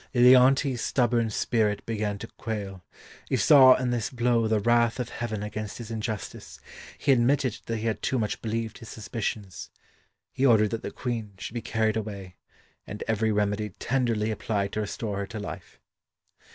Leontes's stubborn spirit began to quail. He saw in this blow the wrath of heaven against his injustice. He admitted that he had too much believed his suspicions; he ordered that the Queen should be carried away, and every remedy tenderly applied to restore her to life.